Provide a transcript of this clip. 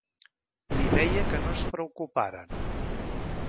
Li deia que no es preocuparen.